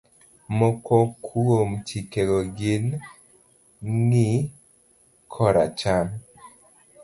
Moko kuom chikego gin, ng'i koracham,